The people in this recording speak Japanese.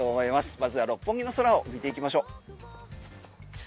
まずは六本木の空を見ていきましょう。